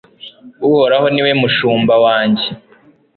Uhoraho ni we mushumba wanjye